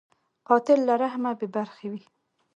قاتل له رحم بېبرخې وي